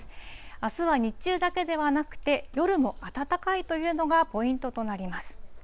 あすは日中だけではなくて、夜も暖かいというのがポイントとなります。